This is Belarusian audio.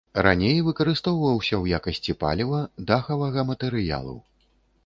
Раней выкарыстоўваўся ў якасці паліва, дахавага матэрыялу.